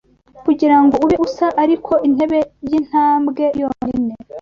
kugirango ube usa Ariko Intebe yintambwe yonyine